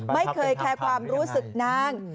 ไม่เคยแคร์ความรู้สึกนาง